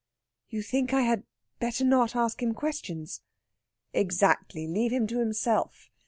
"You think I had better not ask him questions?" "Exactly. Leave him to himself.